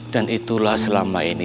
dan itulah selama ini